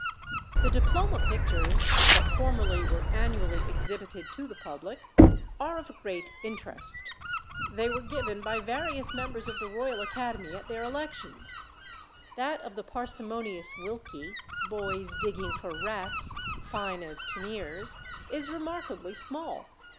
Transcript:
The diploma pictures (that formerly were annually exhibited to the public) are of great interest. They were given by various members of the Royal Academy at their elections. That of the parsimonious Wilkie "Boys digging for Rats" (fine as Teniers) is remarkably small.